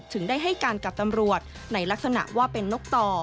ถึงได้ให้การกับตำรวจในลักษณะว่าเป็นนกต่อ